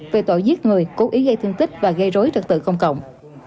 về tội giết người cố ý gây thương tích và gây rối trật tự công cộng